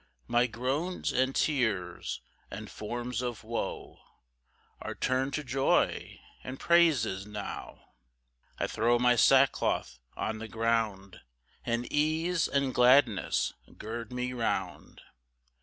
5 My groans, and tears, and forms of woe, Are turn'd to joy and praises now; I throw my sackcloth on the ground, And ease and gladness gird me round.